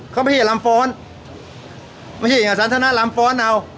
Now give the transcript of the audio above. เข้าประเทศลำฟ้อนไม่ใช่อย่างศาลธนาลำฟ้อนเอา